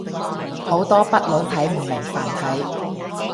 好多北佬睇唔明繁體